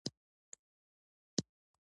مثبت کړه وړه د مثبتې نتیجې سبب ګرځي.